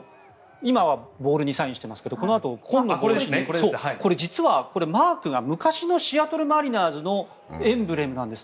今はボールにサインしてますが今度、紺の帽子にこれ実は、実はマークが昔のシアトル・マリナーズのエンブレムなんです。